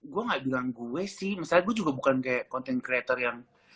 gue gak bilang gue sih misalnya gue juga bukan kayak content creator yang